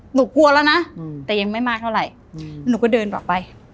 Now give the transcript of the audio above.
หนูกลัวแล้วนะแต่ยังไม่มากเท่าไหร่หนูก็เดินออกไป